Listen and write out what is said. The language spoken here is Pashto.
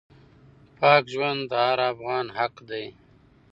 پاک ژوند د هر افغان حق دی.